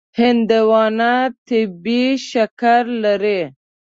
هندوانه طبیعي شکر لري.